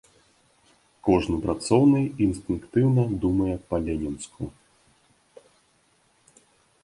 Кожны працоўны інстынктыўна думае па-ленінску.